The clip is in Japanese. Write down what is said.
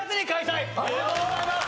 おめでとうございます！